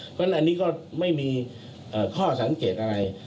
เพราะฉะนั้นอันนี้ก็ไม่มีข้อสังเกตอะไร